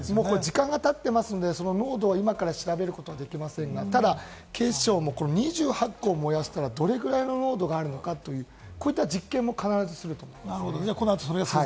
時間が経ってますので、濃度を今から調べることはできませんが、警視庁も２８個を燃やしたら、どれぐらいの濃度があるのかという、こういった実験も必ずすると思います。